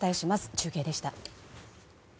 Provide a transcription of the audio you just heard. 中継でした。